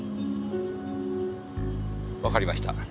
わかりました。